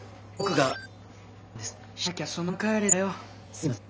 すいません！